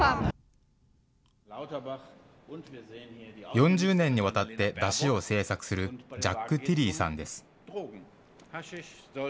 ４０年にわたって山車を制作するジャック・ティリーさんです。